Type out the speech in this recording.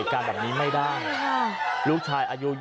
ค่ะ